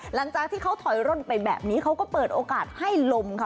หลังจากที่เขาถอยร่นไปแบบนี้เขาก็เปิดโอกาสให้ลมค่ะ